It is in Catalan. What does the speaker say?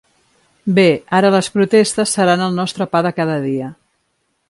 Bé, ara les protestes seran el nostre pa de cada dia.